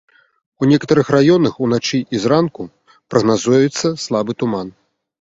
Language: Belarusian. У некаторых раёнах уначы і зранку прагназуецца слабы туман.